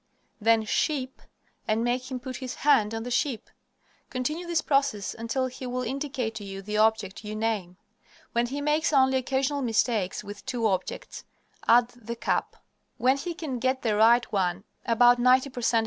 Then "sheep," and make him put his hand on the sheep. Continue this process until he will indicate to you the object you name. When he makes only occasional mistakes with two objects, add the cap. When he can get the right one about 90 per cent.